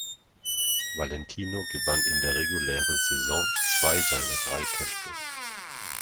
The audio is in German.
Valentino gewann in der regulären Saison zwei seiner drei Kämpfe.